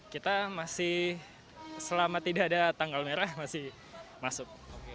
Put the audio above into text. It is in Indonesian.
kita masih selama tidak ada tanggal merah masih masuk